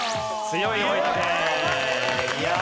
強い！